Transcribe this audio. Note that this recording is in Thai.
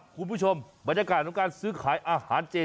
คุณผู้ชมบันดากรายการสื้อขายอาหารเจ๊